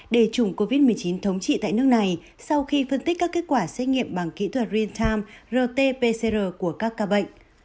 để chủng covid một mươi chín thống trị tại nước này sau khi phân tích các kết quả xét nghiệm bằng kỹ thuật real time rt pcr của các ca bệnh